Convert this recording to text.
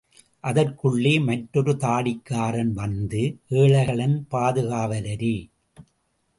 அதற்குள்ளே, மற்றொரு தாடிக்காரன் வந்து, ஏழைகளின் பாதுகாவலரே!